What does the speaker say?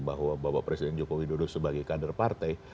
bahwa bapak presiden jokowi duduk sebagai kader partai